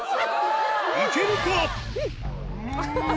いけるか？